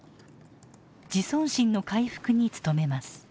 自尊心の回復に努めます。